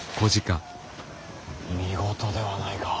見事ではないか。